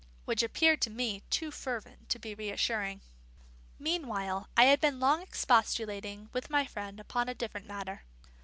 Which appeared to me too fervent to be reassuring. Meanwhile I had been long expostulating with my friend upon a different matter.